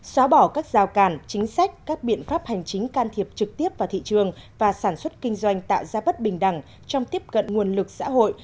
xóa bỏ các rào cản chính sách các biện pháp hành chính can thiệp trực tiếp vào thị trường và sản xuất kinh doanh tạo ra bất bình đẳng trong tiếp cận nguồn lực xã hội